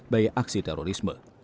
bayi aksi terorisme